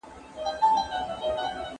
په دیني چارو کي د استدلال اجازه چا نه درلوده.